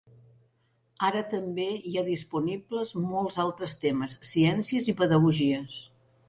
Ara també hi ha disponibles molts altres temes, ciències i pedagogies.